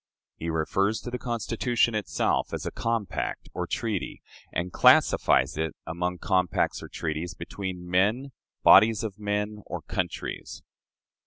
He refers to the Constitution itself as "a compact or treaty," and classifies it among compacts or treaties between "men, bodies of men, or countries."